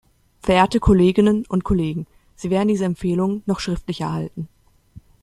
Verehrte Kolleginnen und Kollegen, sie werden diese Empfehlungen noch schriftlich erhalten.